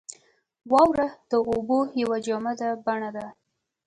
• واوره د اوبو یوه جامده بڼه ده.